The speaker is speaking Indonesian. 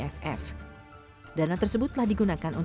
pekerja di tahap masyarakat